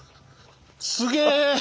すげえ！